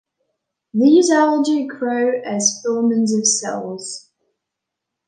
These algae grow as filaments of cells.